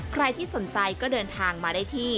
ใครที่สนใจก็เดินทางมาได้ที่